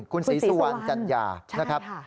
คุณศรีสวรรค์จัดยาใช่ค่ะ